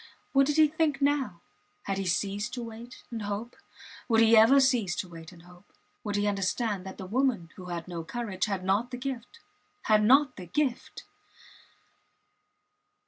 What did he think now? Had he ceased to wait and hope? Would he ever cease to wait and hope? Would he understand that the woman, who had no courage, had not the gift had not the gift!